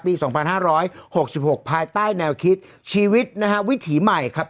ปีสองพันห้าร้อยหกสิบหกภายใต้แนวคิดชีวิตนะฮะวิถีใหม่ครับ